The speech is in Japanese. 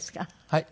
はい？